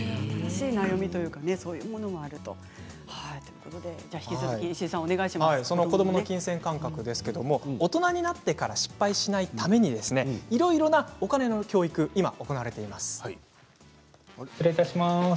そういう新しい悩み子どもの金銭感覚ですが大人になってから失敗しないためにいろいろなお金の教育今、行われています。